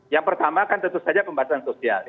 yang pertama kan tentu saja pembatasan sosial